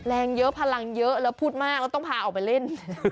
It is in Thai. แรงเยอะพลังเยอะแล้วพูดมากแล้วต้องพาออกไปเล่น